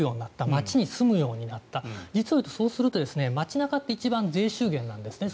街に住むようになった実を言うと、そうすると街中って一番税収源なんですね。